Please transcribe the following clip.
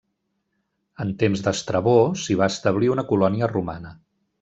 En temps d'Estrabó, s'hi va establir una colònia romana.